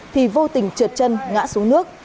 thì vô tình trượt chân ngã xuống nước